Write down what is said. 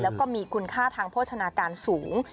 แล้วก็มีคุณค่าทางโภชนาการสูง